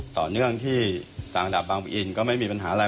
ต่อเนื่องที่ต่างระดับบางปะอินก็ไม่มีปัญหาอะไร